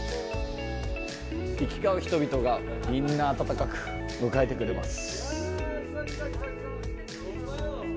行き交う人々がみんな、温かく迎えてくれます。